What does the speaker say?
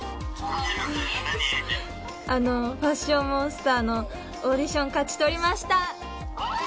『ファッションモンスター』のオーディション勝ち取りました！